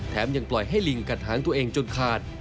ยังปล่อยให้ลิงกัดหางตัวเองจนขาด